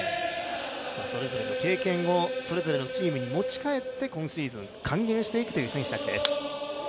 それぞれの経験をそれぞれのチームに持ち帰って今シーズン、還元していくという選手たちです。